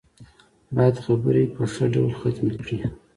بايد خبرې په ښه ډول ختمې کړي.